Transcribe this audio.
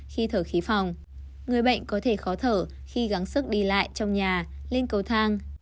khi thở khí phòng người bệnh có thể khó thở khi gắng sức đi lại trong nhà lên cầu thang